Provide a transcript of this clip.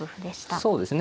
そうですね